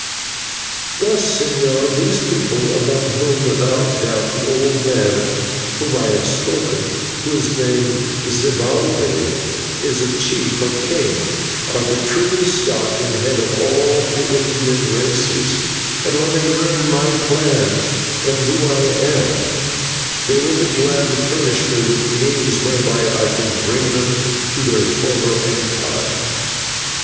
"Thus, señor: these people among whom without doubt the old man of whom I have spoken, who is named Zibalbay, is a chief or king are the true stock and head of all the Indian races, and when they learn my plans and whom I am, they will be glad to furnish me with means whereby I can bring them to their former empire."